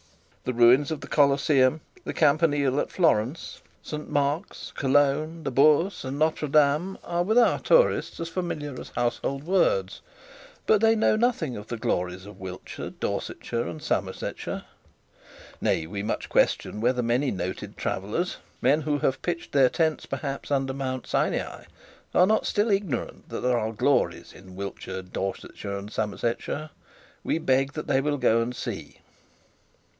The ruins of the Colosseum, the Campanile at Florence, St Mark's, Cologne, the Bourse and Notre Dame, are with our tourists as familiar as household words; but they know nothing of the glories of Wiltshire, Dorsetshire, and Somersetshire. Nay, we much question whether many noted travellers, many who have pitched their tents perhaps under Mount Sinai, are not still ignorant that there are glories in Wiltshire, Dorsetshire and Somersetshire. We beg that they will go and see.